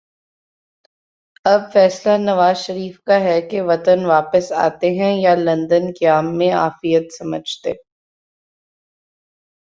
اب فیصلہ نوازشریف کا ہے کہ وطن واپس آتے ہیں یا لندن قیام میں عافیت سمجھتے ہیں۔